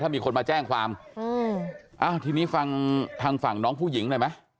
ถ้ามีคนมาแจ้งความอ้าวทีนี้ฟังทางฝั่งน้องผู้หญิงได้ไหม